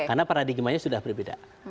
karena paradigmenya sudah berbeda